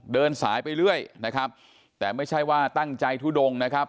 เดินสายไปเรื่อยนะครับแต่ไม่ใช่ว่าตั้งใจทุดงนะครับ